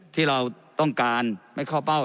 ที่เราต้องการไม่เข้าเป้า